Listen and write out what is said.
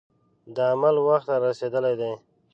د عمل وخت را رسېدلی دی.